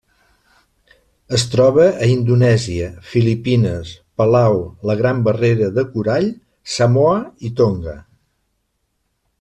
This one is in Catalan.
Es troba a Indonèsia, Filipines, Palau, la Gran Barrera de Corall, Samoa i Tonga.